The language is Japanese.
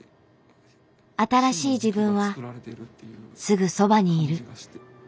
新しい自分はすぐそばにいる。